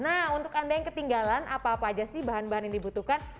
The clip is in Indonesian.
nah untuk anda yang ketinggalan apa apa aja sih bahan bahan yang dibutuhkan